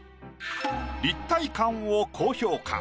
立体感を高評価。